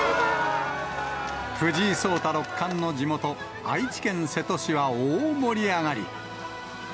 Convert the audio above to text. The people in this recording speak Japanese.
藤井聡太六冠の地元、愛知県瀬戸市は大盛り上がり。